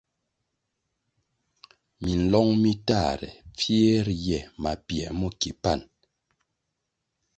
Minlong mi tahre, mpfie ri ye mapiē mo ki pan.